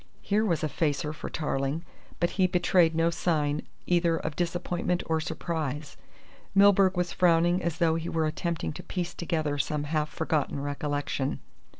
Here was a facer for Tarling, but he betrayed no sign either of disappointment or surprise. Milburgh was frowning as though he were attempting to piece together some half forgotten recollection.